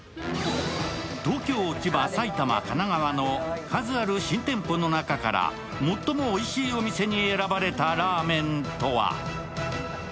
東京、千葉、埼玉、神奈川の数ある新店舗の中から最もおいしいお店に選ばれたラーメンとは？